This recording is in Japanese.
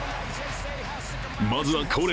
まずは恒例